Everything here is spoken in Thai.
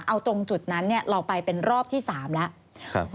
เอาตรงจุดนั้นเราไปเป็นรอบที่๓แล้ว